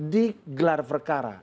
di gelar perkara